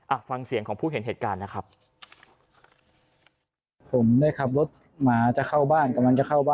ฟังเสียงของผู้เห็นเหตุการณ์นะครับ